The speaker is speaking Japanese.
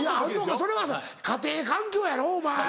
それは家庭環境やろお前。